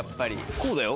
こうだよ。